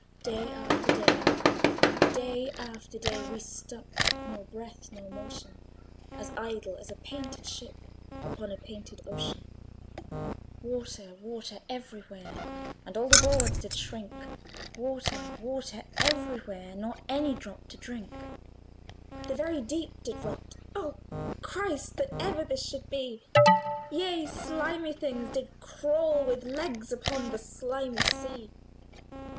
Day after day, day after day, We stuck, nor breath nor motion; As idle as a painted ship Upon a painted ocean. Water, water, every where, And all the boards did shrink; Water, water, every where, Nor any drop to drink. The very deep did rot: O Christ! That ever this should be! Yea, slimy things did crawl with legs Upon the slimy sea.